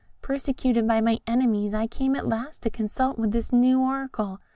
Persecuted by my enemies, I came at last to consult this new Oracle.